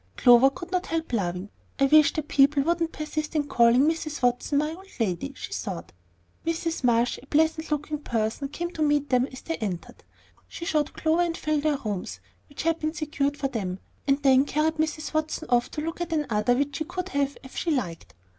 Clover could not help laughing. "I wish that people wouldn't persist in calling Mrs. Watson my old lady," she thought. Mrs. Marsh, a pleasant looking person, came to meet them as they entered. She showed Clover and Phil their rooms, which had been secured for them, and then carried Mrs. Watson off to look at another which she could have if she liked.